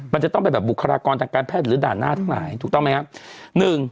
มันจะต้องเป็นแบบบุคลากรทางการแพทย์หรือด่านหน้าทั้งหลายถูกต้องไหมครับ